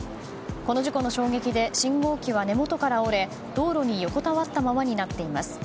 この事故の衝撃で信号機は根元から折れ道路に横たわったままになっています。